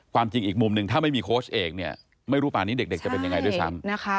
จริงอีกมุมหนึ่งถ้าไม่มีโค้ชเอกเนี่ยไม่รู้ป่านี้เด็กจะเป็นยังไงด้วยซ้ำ